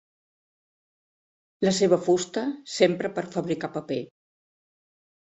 La seva fusta s'empra per fabricar paper.